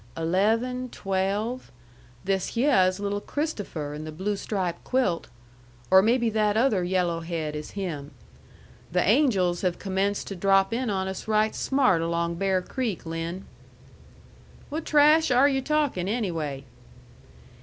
"Eleven, twelve. This hyeh is little Christopher in the blue stripe quilt or maybe that other yello' head is him. The angels have commenced to drop in on us right smart along Bear Creek, Lin." "What trash are yu' talkin' anyway?"